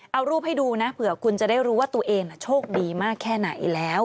เอารูปให้ดูนะเผื่อคุณจะได้รู้ว่าตัวเองโชคดีมากแค่ไหนแล้ว